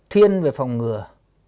thiên về phòng ngừa